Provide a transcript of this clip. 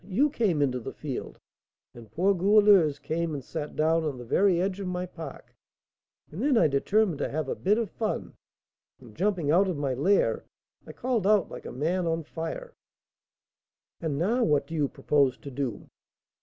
you came into the field, and poor Goualeuse came and sat down on the very edge of my park, and then I determined to have a bit of fun, and, jumping out of my lair, I called out like a man on fire." "And now what do you propose to do?"